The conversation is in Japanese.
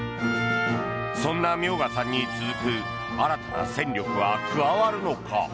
そんな明賀さんに続く新たな戦力は加わるのか。